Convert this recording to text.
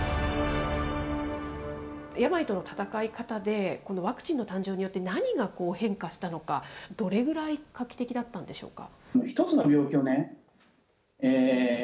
病との闘い方で、ワクチンの誕生によって、何が変化したのか、どれぐらい画期的だったんでしょうか。